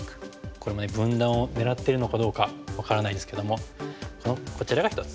これも分断を狙ってるのかどうか分からないですけどもこちらが一つ。